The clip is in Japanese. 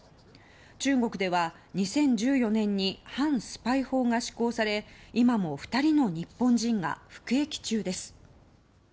中国では２０１４年に反スパイ法が施行され今も２人の日本人が服役中です。